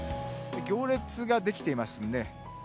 行列ができていますね。